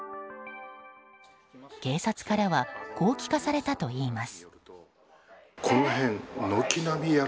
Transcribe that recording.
警察からはこう聞かされたといいます。